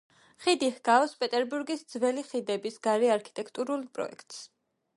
ხიდი ჰგავს პეტერბურგის ძველი ხიდების გარე არქიტექტურულ პროექტს.